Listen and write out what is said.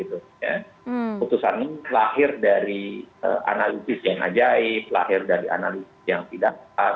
putusan ini lahir dari analisis yang ajaib lahir dari analisis yang tidak pas